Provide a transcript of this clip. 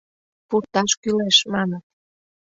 — Пурташ кӱлеш, — маныт.